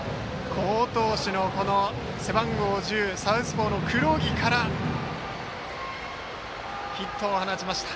好投手の背番号１０サウスポーの黒木からヒットを放ちました。